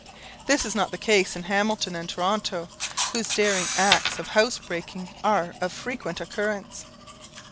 This is not the case in Hamilton and Toronto, where daring acts of housebreaking are of frequent occurrence.